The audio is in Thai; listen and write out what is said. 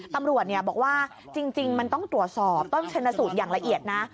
ตำรวจบอกว่าจริงมันต้องตรวจสอบต้องชนะสูตรอย่างละเอียดนะ